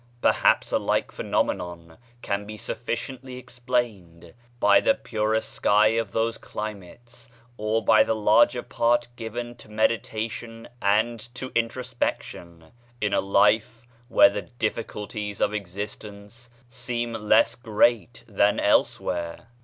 Perhaps a like phenomenon can be sufficiently explained by the purer sky of those climates, or by the larger part given to meditation and to introspection, in a life where the diffi culties of existence seem less great than elsewhere